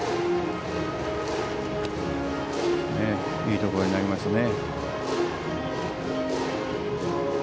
いいところに投げますね。